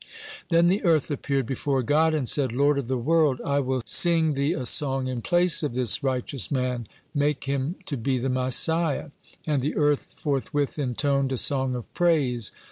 Then the earth appeared before God, and said: "Lord of the world! I will song Thee a song in place of this righteous man; make him to be the Messiah," and the earth forthwith intoned a song of praise.